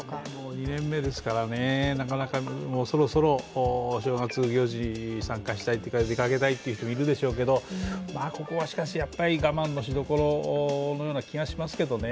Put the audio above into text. ２年目ですからね、もうそろそろ正月行事に参加したい出かけたい人もいるでしょうけど、ここはしかし、我慢のしどころだと思いますけどね。